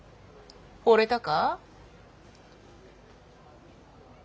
ほれたか？